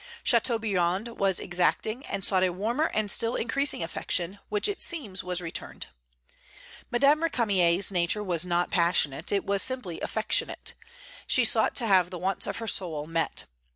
Châteaubriand was exacting, and sought a warmer and still increasing affection, which it seems was returned. Madame Récamier's nature was not passionate; it was simply affectionate. She sought to have the wants of her soul met.